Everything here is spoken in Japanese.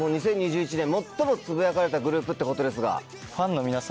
２０２１年最もつぶやかれたグループってことですが。